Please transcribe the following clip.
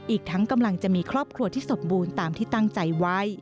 อีกทั้งกำลังจะมีครอบครัวที่สมบูรณ์ตามที่ตั้งใจไว้